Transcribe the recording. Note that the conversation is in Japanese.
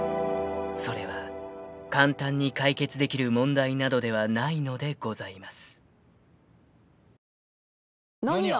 ［それは簡単に解決できる問題などではないのでございます］